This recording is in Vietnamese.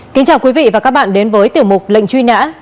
kính chào quý vị và các bạn đến với tiểu mục lệnh truy nã